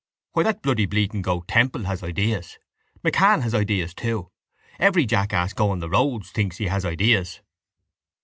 Why, that bloody bleating goat Temple has ideas. MacCann has ideas too. Every jackass going the roads thinks he has ideas.